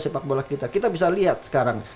sepak bola kita kita bisa lihat sekarang